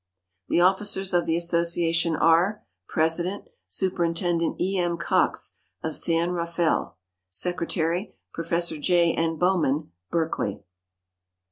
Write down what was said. The officers of the Association are: President Superintendent E. M. COX, of San Rafael. Secretary Prof. J. N. Bowman, Berkeley.